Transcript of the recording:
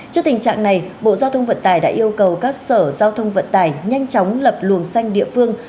trước tình trạng này bộ giao thông vận tải đã yêu cầu các sở giao thông vận tải nhanh chóng lập luồng xanh địa phương